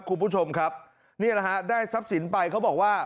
คุณผู้ชมครับนี่แหละฮะได้ทรัพย์สินไปเขาบอกว่า